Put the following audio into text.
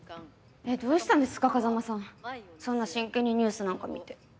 えっどうしたんですか風真さんそんな真剣にニュースなんか見て。